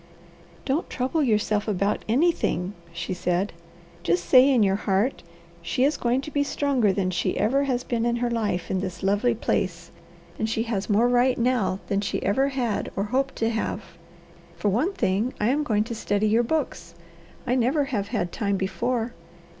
"Don't trouble yourself about anything," she said. "Just say in your heart, 'she is going to be stronger than she ever has been in her life in this lovely place, and she has more right now than she ever had or hoped to have.' For one thing, I am going to study your books. I never have had time before.